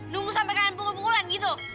nunggu sampai kalian pukul pukulan gitu